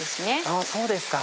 あぁそうですか。